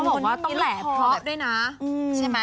เพราะว่าต้องแหล่พร้อพด้วยนะ